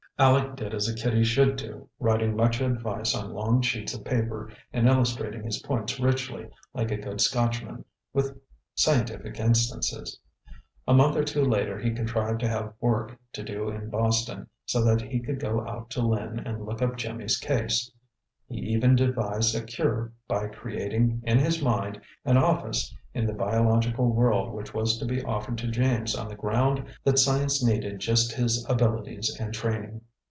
Aleck did as a kiddie should do, writing much advice on long sheets of paper, and illustrating his points richly, like a good Scotchman, with scientific instances. A month or two later he contrived to have work to do in Boston, so that he could go out to Lynn and look up Jimmy's case. He even devised a cure by creating, in his mind, an office in the biological world which was to be offered to James on the ground that science needed just his abilities and training.